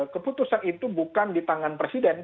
keputusan itu bukan di tangan presiden